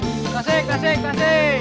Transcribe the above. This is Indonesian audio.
tasik tasik tasik